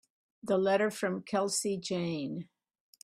The letter from Kelsey Jane.